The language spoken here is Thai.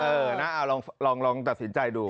เออลองตัดสินใจดู